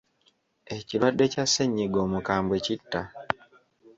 Ekirwadde kya ssennyiga omukambwe kitta.